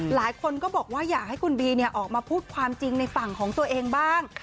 หลายคนก็บอกว่าอยากให้คุณบีออกมาพูดความจริงในฝั่งของตัวเองบ้าง